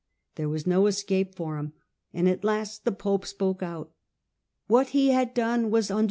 There was no escape for him, and at last the pope Pascal re sp^J^© o^* 'What he had done was under tb